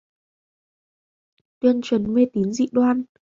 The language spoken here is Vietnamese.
tuyên truyền mê tín dị đoan